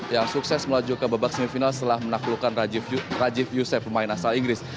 yang sukses melaju ke babak semifinal setelah menaklukkan rajiv yusef pemain asal inggris